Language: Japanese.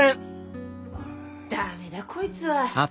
駄目だこいつは。